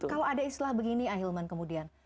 kalau ada istilah begini pak hilman kemudian